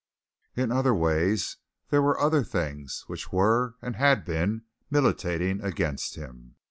In other ways there were other things which were and had been militating against him.